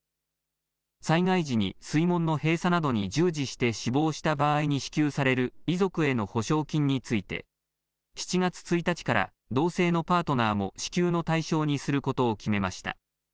災害時に水門の閉鎖などに従事して死亡した場合に支給される遺族への補償金について７月１日から同性のパートナーも支給の対象にすることを決めました。